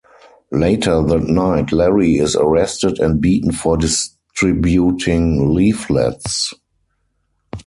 Later that night, Larry is arrested and beaten for distributing leaflets.